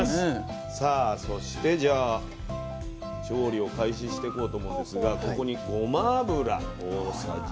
さあそしてじゃあ調理を開始していこうと思うんですがここにごま油大さじ１ですかね。